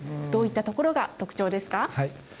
どういったところが特徴ですか。